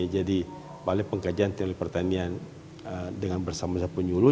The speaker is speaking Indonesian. jadi balik pengkajian telepertanian dengan bersama sama penyuluh